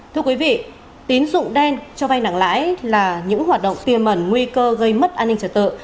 thưa quý vị tín dụng đen cho vay nặng lãi là những hoạt động tiềm mẩn nguy cơ gây mất an ninh trật tự